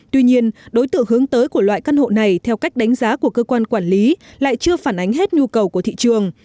tuy nhiên đối tượng hướng tới của loại căn hộ này theo cách đánh giá của cơ quan quản lý lại chưa phản ánh hết nhu cầu của thị trường